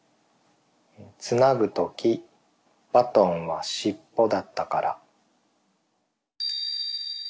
「つなぐときバトンはしっぽだったから」。